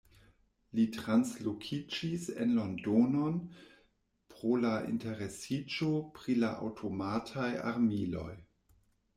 Li translokiĝis en Londonon, pro la interesiĝo pri la aŭtomataj armiloj.